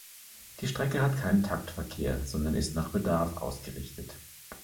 Die Strecke hat keinen Taktverkehr, sondern ist nach Bedarf ausgerichtet.